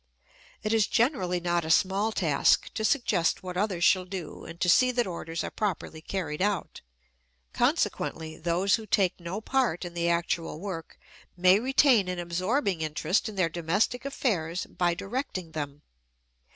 It is generally not a small task to suggest what others shall do and to see that orders are properly carried out; consequently those who take no part in the actual work may retain an absorbing interest in their domestic affairs by directing them.